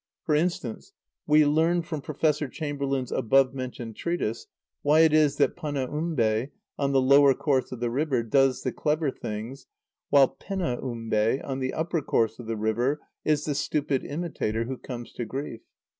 For instance, we learn from Professor Chamberlain's above mentioned treatise why it is that Panaumbe ("on the lower course of the river") does the clever things, while Penaumbe ("on the upper course of the river") is the stupid imitator who comes to grief.